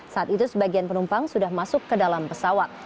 saat itu sebagian penumpang sudah masuk ke dalam pesawat